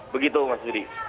begitu mas sudi